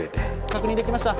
確認できました。